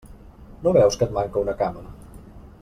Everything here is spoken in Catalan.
No veus que et manca una cama?